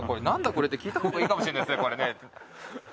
これって聞いた方がいいかもしれないですねこれね。